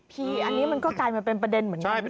อันนี้มันก็กลายมาเป็นประเด็นเหมือนกัน